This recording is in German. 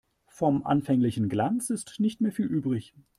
Vom anfänglichen Glanz ist nicht mehr viel übrig.